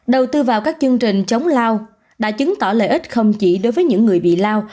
đầu tư vào các chương trình chống lao đã chứng tỏ lợi ích không chỉ đối với những người bị lao